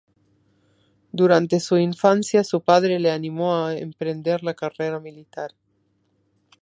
Durante su infancia, su padre le animó a emprender la carrera militar.